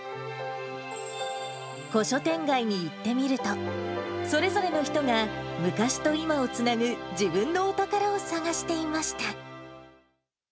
古書店街に行ってみると、それぞれの人が、昔と今をつなぐ自分のお宝を探していました。